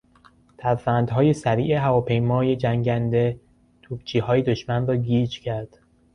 ترفندهای سریع هواپیمای جنگنده توپچیهای دشمن را گیج کرد.